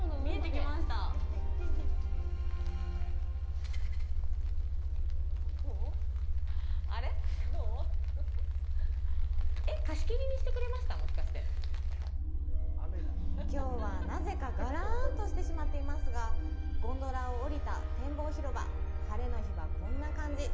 きょうは、なぜかガランとしてしまっていますが、ゴンドラを降りた展望広場、晴れの日はこんな感じ！